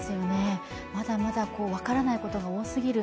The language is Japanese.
まだまだ分からないことが多すぎる。